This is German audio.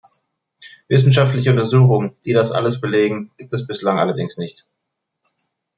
Wissenschaftliche Untersuchungen, die dies alles belegen, gibt es bislang allerdings nicht.